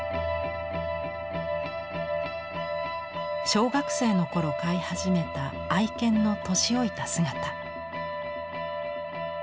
小学生の頃飼い始めた愛犬の年老いた姿。